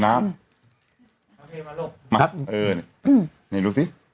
น้ำเบล์เบล์